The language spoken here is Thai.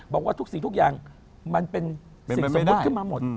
บอกว่าทุกสิ่งทุกอย่างมันเป็นสิ่งสมมุติขึ้นมาหมด